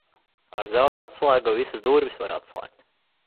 Ar zelta atslēgu visas durvis var atslēgt.